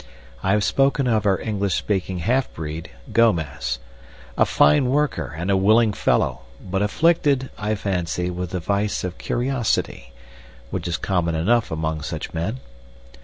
I have spoken of our English speaking half breed, Gomez a fine worker and a willing fellow, but afflicted, I fancy, with the vice of curiosity, which is common enough among such men.